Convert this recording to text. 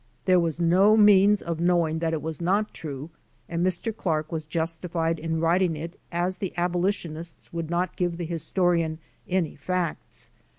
There was no means of knowing that it was not true and Mr. Clark was justified in writing it as the abolitionists would not give the historian any facts.